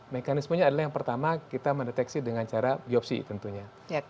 mekanismenya adalah yang pertama kita mendeteksi dengan cara biopsi tentunya